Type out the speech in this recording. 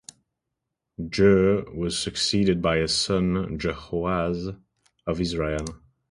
Jehu was succeeded by his son Jehoahaz of Israel.